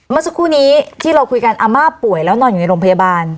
เมื่อสักครู่นี้ที่เราคุยกันอาม่าป่วยแล้วนอนอยู่ในโรงพยาบาล